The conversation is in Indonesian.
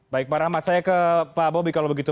baik para amat saya ke pak bobi kalau begitu